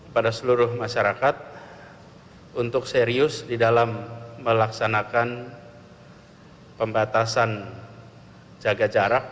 pada seluruh masyarakat untuk serius di dalam melaksanakan pembatasan jaga jarak